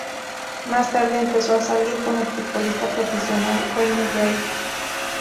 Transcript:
Más tarde empezó a salir con el futbolista profesional Wayne Bridge.